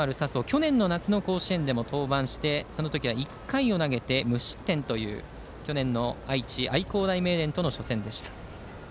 去年夏の甲子園でも登板してその時は１回を投げて無失点という去年の愛知・愛工大名電との初戦でした。